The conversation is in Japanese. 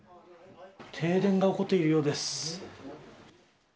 停電が起こっているようです。